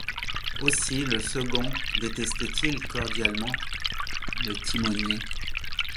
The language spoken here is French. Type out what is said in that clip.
Aussi le second détestait-il cordialement le timonier